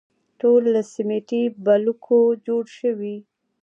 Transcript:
ټول له سیمټي بلوکو جوړ شوي.